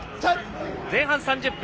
前半３０分。